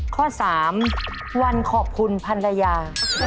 ข้อ๓วันขอบคุณพันรยา